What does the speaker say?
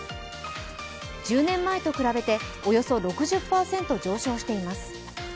１０年前と比べておよそ６０％上昇しています。